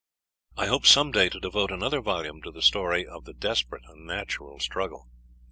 I hope some day to devote another volume to the story of this desperate and unnatural struggle.